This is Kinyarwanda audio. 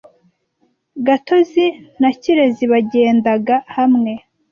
Gatozi na Kirezi bagendaga hamwe.